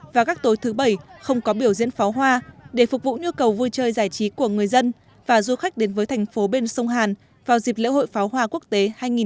và các tối thứ bảy không có biểu diễn pháo hoa để phục vụ nhu cầu vui chơi giải trí của người dân và du khách đến với thành phố bên sông hàn vào dịp lễ hội pháo hoa quốc tế hai nghìn một mươi chín